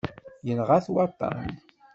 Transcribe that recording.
Yenɣa-t waṭṭan.